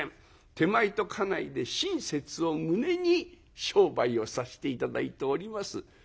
手前と家内で親切をむねに商売をさせて頂いております」。